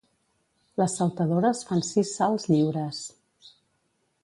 Les saltadores fan sis salts lliures.